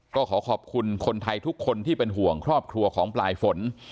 ก็ขอขอบคุณคนไทยทุกคนที่เป็นห่วงครอบครัวของปลายฝน